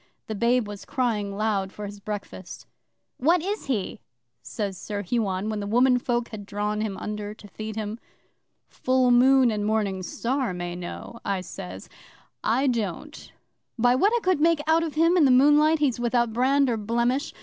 The babe was crying loud for his breakfast. '"What is he?" says Sir Huon, when the womenfolk had drawn him under to feed him. '"Full Moon and Morning Star may know," I says. "I don't. By what I could make out of him in the moonlight, he's without brand or blemish.